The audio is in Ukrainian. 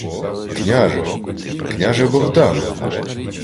— Княже!.. Княже Богдане!..